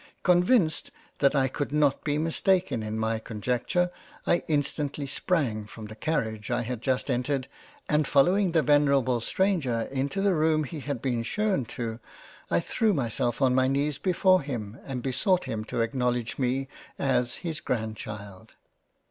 Convinced that I could not be mistaken in my conjecture I instantly sprang from the Carriage I had just entered, and following the Venerable Stranger into the Room he had been 21 JANE AUSTEN : shewn to, I threw myself on my knees before him and besoug! him to acknowledge me as his Grand Child.